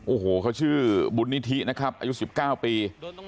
โอ้โหเขาชื่อบุญนิธินะครับอายุ๑๙ปี